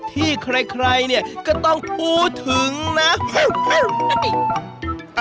ที่ใครเนี่ยก็ต้องพูดถึงนะ